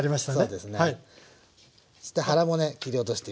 そうですね。